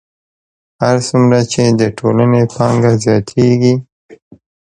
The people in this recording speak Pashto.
هر څومره چې د ټولنې پانګه زیاتېږي